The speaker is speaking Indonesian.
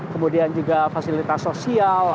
kemudian juga fasilitas sosial